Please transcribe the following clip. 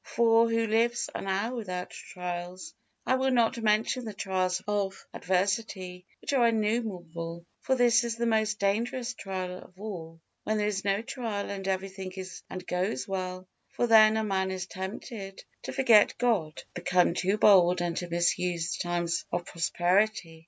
For who lives an hour without trials? I will not mention the trials of adversity, which are innumerable. For this is the most dangerous trial of all, when there is no trial and every thing is and goes well; for then a man is tempted to forget God, to become too bold and to misuse the times of prosperity.